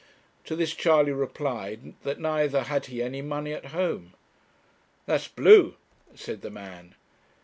To this Charley replied that neither had he any money at home. 'That's blue,' said the man.